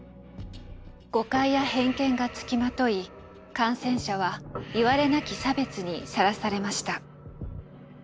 誤解や偏見がつきまとい感染者はいわれなき差別にさらされました。